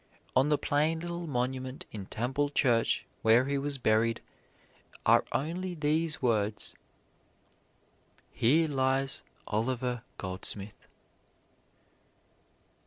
On the plain little monument in Temple Church where he was buried are only these words: Here Lies Oliver Goldsmith.